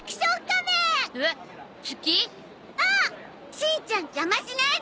しんちゃん邪魔しないで！